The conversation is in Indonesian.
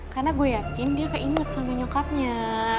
karena gue yakin dia keinget sama nyokapnya